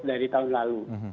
dari tahun lalu